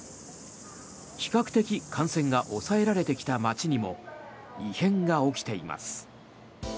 比較的感染が抑えられてきた街にも異変が起きています。